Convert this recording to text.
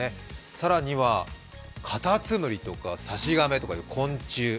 更にはカタツムリとかサシガメとかの昆虫。